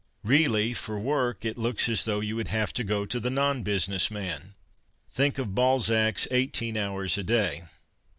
Really, for work it looks as though you would have to go to the non business man. Think of Balzac's eighteen hours a day